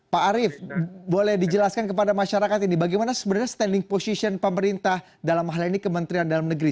pak arief boleh dijelaskan kepada masyarakat ini bagaimana sebenarnya standing position pemerintah dalam hal ini kementerian dalam negeri